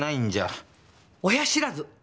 親知らず！